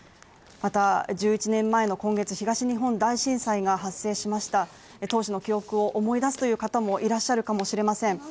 また、１１年前の今月東日本大震災が発生しました当時の記憶を思い出すという方もいらっしゃるかもしれません。